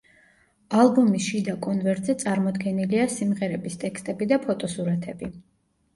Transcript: ალბომის შიდა კონვერტზე წარმოდგენილია სიმღერების ტექსტები და ფოტოსურათები.